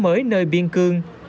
mới nơi biên cương